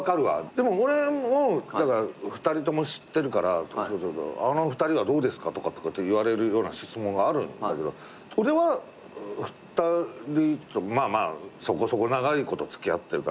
でも俺も２人とも知ってるから「あの２人はどうですか？」とかって言われるような質問があるんだけど俺は２人とまあまあそこそこ長いこと付き合ってるから。